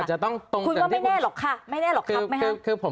คุณว่าไม่แน่หรอกค่ะไม่แน่หรอกครับไหมคะ